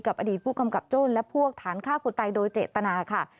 อดีตผู้กำกับโจ้และพวกฐานฆ่าคนตายโดยเจตนาค่ะ